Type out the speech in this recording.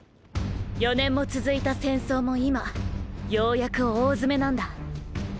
４年も続いた戦争も今ようやく大詰めなんだ。